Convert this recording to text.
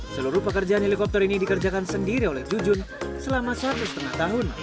seluruh pekerjaan helikopter ini dikerjakan sendiri oleh jujun selama satu setengah tahun